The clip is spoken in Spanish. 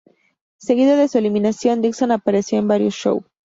Seguido de su eliminación, Dixon apareció en varios shows.